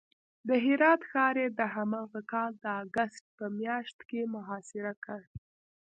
د هرات ښار یې د هماغه کال د اګست په میاشت کې محاصره کړ.